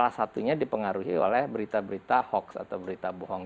dan seharusnya dipengaruhi oleh berita berita hoax atau berita bohong